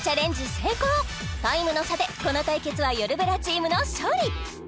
成功タイムの差でこの対決はよるブラチームの勝利